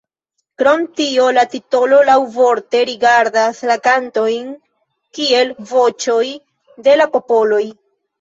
Krom tio la titolo laŭvorte rigardas la kantojn kiel voĉoj de la popoloj.